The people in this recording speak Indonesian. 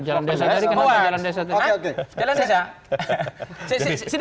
jalan desa tadi kenapa jalan desa tadi